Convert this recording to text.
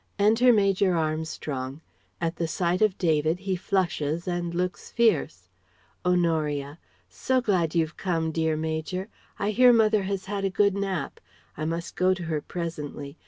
Enter Major Armstrong. At the sight of David he flushes and looks fierce. Honoria: "So glad you've come, dear Major. I hear mother has had a good nap. I must go to her presently.